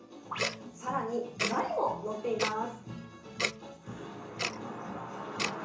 さらにガリも載っています。